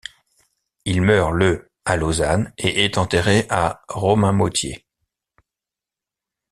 Il meurt le à Lausanne et est enterré à Romainmôtier.